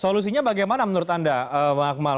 solusinya bagaimana menurut anda bang akmal